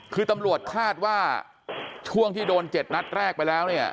คือตำรวจคาดว่าช่วงที่โดน๗นัดแรกไปแล้วเนี่ย